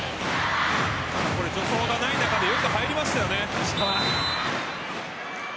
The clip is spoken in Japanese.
助走がない中でよく入りましたよね、石川。